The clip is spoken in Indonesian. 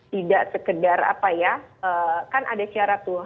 tidak sekedar apa ya kan ada syarat tuh